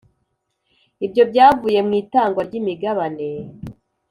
Ibyo byavuye mu itangwa ry’imigabane